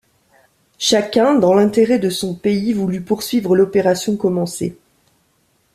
Chacun, dans l’intérêt de son pays, voulut poursuivre l’opération commencée.